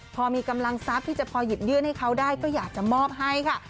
พอมีกำลังทรัพย์ที่จะพอหยิบยื่นให้เขาได้ก็อยากจะมอบให้ค่ะ